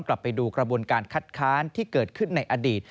กลับไปดูกระบวนการคัดค้านที่เกิดขึ้นในอดีต